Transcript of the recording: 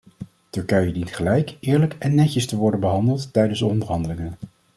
Turkije dient gelijk, eerlijk en netjes te worden behandeld tijdens de onderhandelingen.